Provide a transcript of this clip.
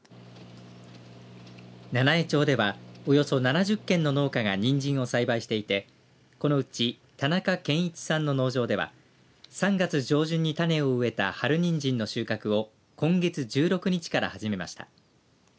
七飯町ではおよそ７０軒の農家がにんじんを栽培していてこのうち田中賢一さんの農場では３月上旬に種を植えた春にんじんの収穫を今月１６日から始めました。